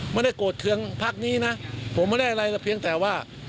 ไม่ได้โกรธเครื่องพักนี้นะผมไม่ได้อะไรแต่เพียงแต่ว่า